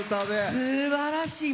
すばらしい。